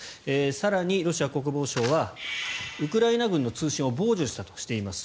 更に、ロシア国防省はウクライナの通信を傍受したとしています。